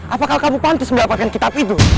apakah kamu pantas mendapatkan kitab itu